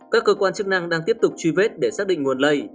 các cơ quan chức năng đang tiếp tục truy vết để xác định nguồn lây